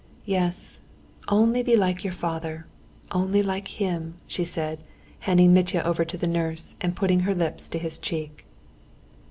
"Yes, only be like your father, only like him," she said, handing Mitya over to the nurse, and putting her lips to his cheek.